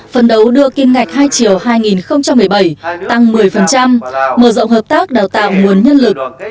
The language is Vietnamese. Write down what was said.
phần đấu đưa kim ngạch hai triệu hai nghìn một mươi bảy tăng một mươi mở rộng hợp tác đào tạo nguồn nhân lực